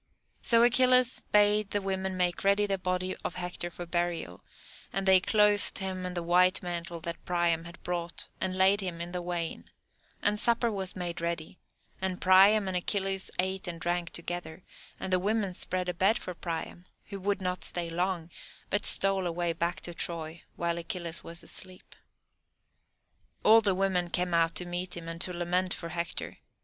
So Achilles bade the women make ready the body of Hector for burial, and they clothed him in a white mantle that Priam had brought, and laid him in the wain; and supper was made ready, and Priam and Achilles ate and drank together, and the women spread a bed for Priam, who would not stay long, but stole away back to Troy while Achilles was asleep. All the women came out to meet him, and to lament for Hector.